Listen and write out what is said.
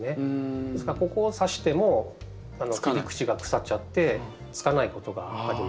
ですからここをさしても切り口が腐っちゃってつかないことがあります。